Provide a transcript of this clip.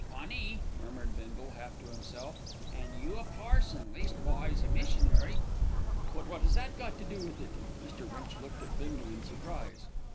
"Funny," murmured Bindle, half to himself, "an' you a parson, leastwise a missionary." "But what has that got to do with it?" Mr. Winch looked at Bindle in surprise.